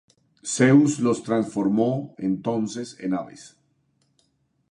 Zeus los transformó, entonces, en aves.